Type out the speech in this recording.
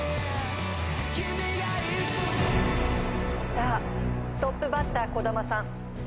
さあトップバッター小玉さん。